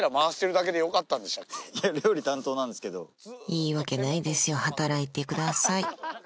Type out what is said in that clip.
いいわけないですよ働いてください